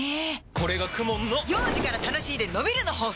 これがＫＵＭＯＮの幼児から楽しいでのびるの法則！